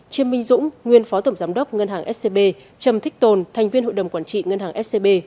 chiêm minh dũng nguyên phó tổng giám đốc ngân hàng scb trầm thích tồn thành viên hội đồng quản trị ngân hàng scb